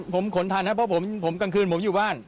ผมขนทันครับเพราะผมกลางคืนผมอยู่บ้าน